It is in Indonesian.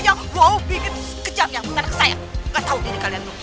jangan lupa anak saya gak tau diri kalian lho